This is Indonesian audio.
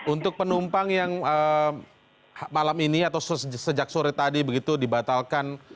untuk penumpang yang malam ini atau sejak sore tadi begitu dibatalkan